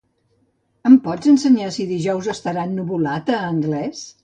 Em pots ensenyar si dijous estarà ennuvolat a Anglès?